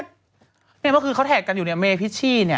นี่มันคือเขาแถกกันอยู่ในเมฟิชชี่เนี่ย